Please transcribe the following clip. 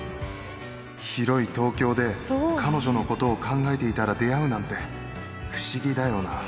広い東京で、彼女のことを考えていたら出会うなんて、不思議だよな。